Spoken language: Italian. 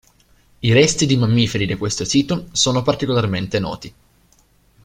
I resti di mammiferi da questo sito sono particolarmente noti.